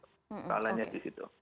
persoalannya di situ